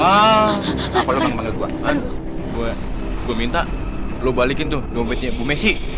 enak aja kalau gua nggak mau kasih mau apa community